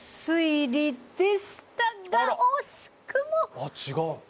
ああ違う。